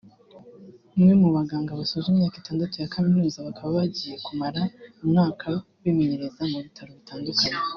umwe mu baganga basoje imyaka itandatu ya kaminuza bakaba bagiye kumara umwaka bimenyereza mu bitaro bitandukanye